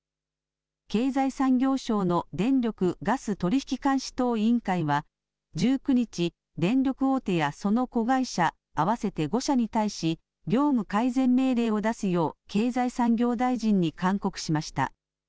経済産業省の電力ガス取引監視等委員会は、１９日、電力大手やその子会社、合わせて５社に対し、業務改善命令を出すよう、経済産業大臣に勧告しました。